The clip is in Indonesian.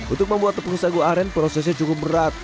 untuk membuat tepung sagu aren prosesnya cukup berat